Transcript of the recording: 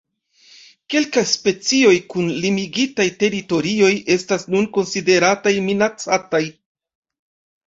Kelkaj specioj kun limigitaj teritorioj estas nun konsiderataj minacataj.